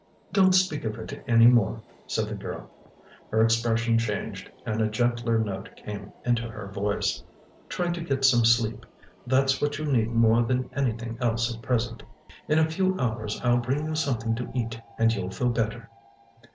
"Don't speak of it any more," said the girl. Her expression changed and a gentler note came into her voice. "Try to get some sleep. That's what you need more than anything else at present. In a few hours I'll bring you something to eat and you'll feel better."